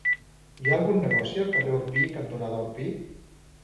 Hi ha algun negoci al carrer Orpí cantonada Orpí?